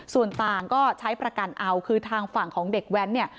ส่วนต่างก็ใช้ประกันเอาคือทางฝั่งของเด็กแว้นเนี่ย